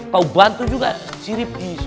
kau bantu juga sirip is